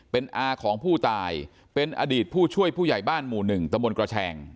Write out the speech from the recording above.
เป็นอาของผู้ตายเป็นอดีตผู้ช่วยผู้ใหญ่บ้านหมู่๑ตะบนกระแชง